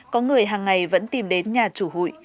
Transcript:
có người hàng ngày vẫn tìm đến nhà chủ hụi